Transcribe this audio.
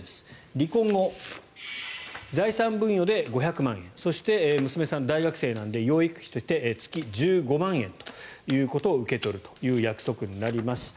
離婚後、財産分与で５００万円そして、娘さん、大学生なので養育費として月１５万円を受け取る約束になりました。